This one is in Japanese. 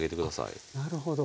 あなるほど。